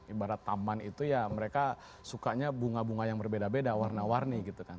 ibarat taman itu ya mereka sukanya bunga bunga yang berbeda beda warna warni gitu kan